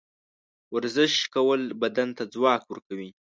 ورزش کول بدن ته ځواک ورکوي.